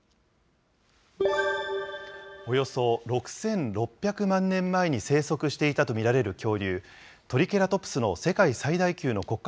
およそ６６００万年前に生息していたと見られる恐竜、トリケラトプスの世界最大級の骨格